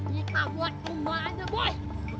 kita buat semua aja bos